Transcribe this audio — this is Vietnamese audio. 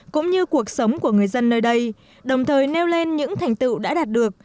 cũng như cuộc sống của người dân nơi đây đồng thời nêu lên những thành tựu đã đạt được